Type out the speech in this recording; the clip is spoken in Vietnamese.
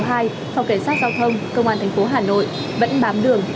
phòng cảnh sát giao thông công an thành phố hà nội vẫn bám đường